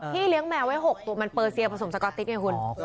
เลี้ยงแมวไว้๖ตัวมันเปอร์เซียผสมสก๊อติ๊กไงคุณ